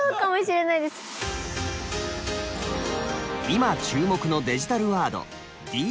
今注目のデジタルワード「ＤＸ」。